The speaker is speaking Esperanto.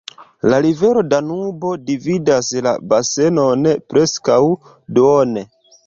La rivero Danubo dividas la basenon preskaŭ duone.